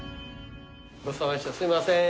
すいません。